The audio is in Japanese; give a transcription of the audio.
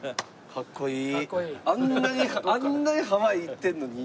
かっこいい！